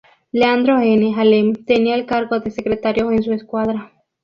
Leandro N. Alem tenía el cargo de secretario en su escuadra.